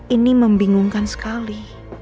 ini membingungkan sekali